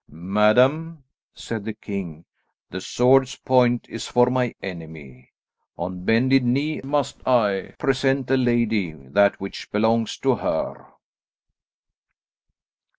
"Madam," said the king, "the sword's point is for my enemy. On bended knee must I present a lady that which belongs to her."